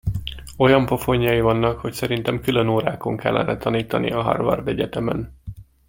Olyan pofonjai vannak, hogy szerintem különórákon kellene tanítania a Harvard egyetemen.